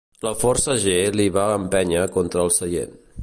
La força g li va empènyer contra el seient.